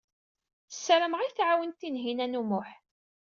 Ssarameɣ ad iyi-tɛawen Tinhinan u Muḥ.